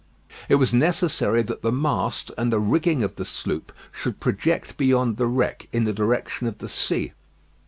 It was necessary that the mast and the ringing of the sloop should project beyond the wreck in the direction of the sea.